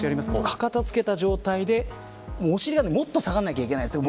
かかとを付けた状態でお尻がもっと下がらないといけないんです。